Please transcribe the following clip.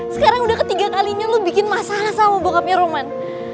sekarang udah ketiga kalinya lo bikin masalah sama bokapnya roman